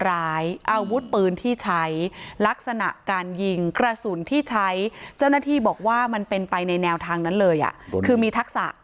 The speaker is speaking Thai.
อาวุธปืนที่ใช้ลักษณะการยิงกระสุนที่ใช้เจ้าหน้าที่บอกว่ามันเป็นไปในแนวทางนั้นเลยคือมีทักษะ